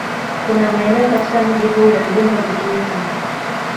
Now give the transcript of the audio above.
Kuna maeneo katika mji huu yalijengwa vizuri sana